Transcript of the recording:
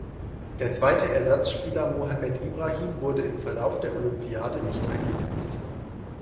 Der zweite Ersatzspieler Mohamed Ibrahim wurde im Verlauf der Olympiade nicht eingesetzt.